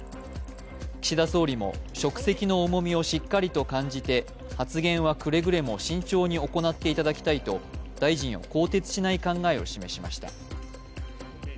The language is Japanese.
岸田総理も職責の重みをしっかりと感じて発言はくれぐれも慎重に行っていただきたいと大臣を更迭しない考えを示しました。